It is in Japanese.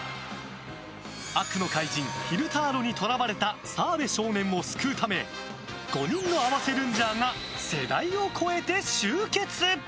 悪の怪人ヒルターロにとらわれた澤部少年を救うため５人の合わせルンジャーが世代を超えて集結！